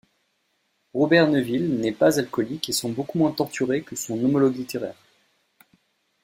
Robert Neville n'est pas alcoolique et semble beaucoup moins torturé que son homologue littéraire.